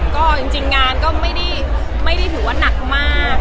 ก็จริงงานก็ไม่ได้ถือว่านักมาก